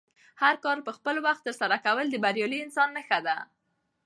هر کار په خپل وخت ترسره کول د بریالي انسان نښه ده.